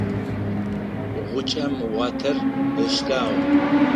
Гъукӏэм уатэр ыштагъ.